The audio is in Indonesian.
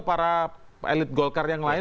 para elit golkar yang lain